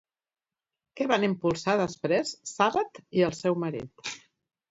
Què van impulsar després Sàbat i el seu marit?